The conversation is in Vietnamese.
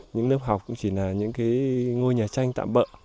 những lớp học cũng chỉ là những cái ngôi nhà tranh tạm bỡ